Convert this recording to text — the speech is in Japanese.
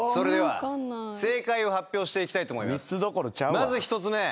まず１つ目。